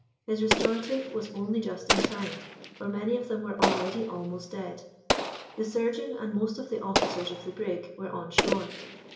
His restorative was only just in time, for many of them were already almost dead. The surgeon and most of the officers of the brig were on shore.